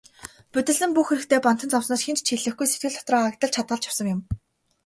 Будилсан бүх хэрэгтээ бантан зовсноос хэнд ч хэлэхгүй, сэтгэл дотроо агдлан хадгалж явсан юм.